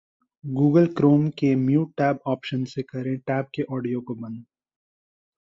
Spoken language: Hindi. Google Chrome के Mute Tab ऑप्शन से करें टैब के ऑडियो को बंद